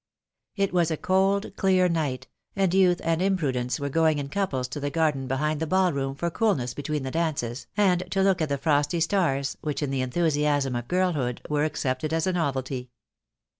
It was a cold, clear night, and youth and imprudence were going in couples to the garden behind the ball room for coolness between the dances, and to look at the frosty stars, which in the enthusiasm of girlhood were accepted as a novelty.